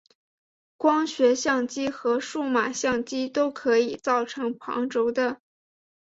光学相机和数码相机都可以造成旁轴的。